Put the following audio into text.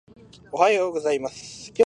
おはようございます、今日の天気は晴れです。